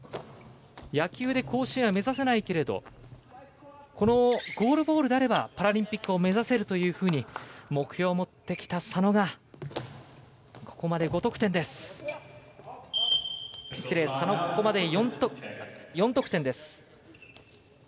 野球で甲子園は目指せないけれどゴールボールであればパラリンピックを目指せると目標を持ってきた佐野がここまで４得点です。